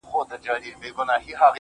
نن د هر گل زړگى په وينو رنـــــگ دى.